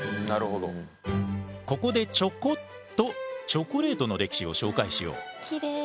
ここでちょこっとチョコレートの歴史を紹介しよう。